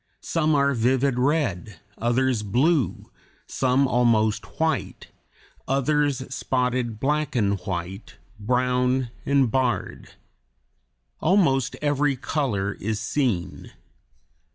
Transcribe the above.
Some are vivid red, others blue, some almost white, others spotted black and white, brown and barred. Almost every color is seen.